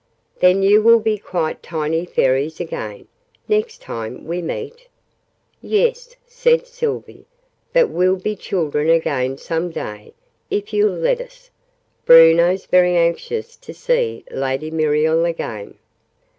"Then you will be quite tiny Fairies again, next time we meet?" "Yes," said Sylvie: "but we'll be children again some day if you'll let us. Bruno's very anxious to see Lady Muriel again."